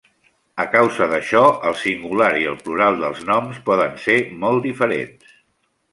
A causa d'això, el singular i el plural dels noms poden ser molt diferents.